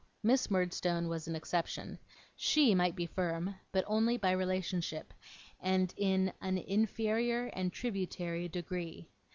Miss Murdstone was an exception. She might be firm, but only by relationship, and in an inferior and tributary degree.